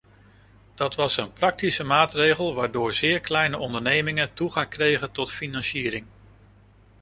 Dat was een praktische maatregel waardoor zeer kleine ondernemingen toegang kregen tot financiering.